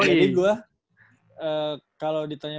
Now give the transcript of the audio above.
jadi gue kalau ditanya